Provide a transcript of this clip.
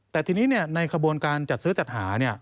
แต่ทีนี้ในขบวนการจัดซื้อจัดหา